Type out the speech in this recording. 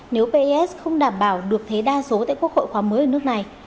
nếu pes không đảm bảo được thế đa số tại quốc hội khóa mới ở nước này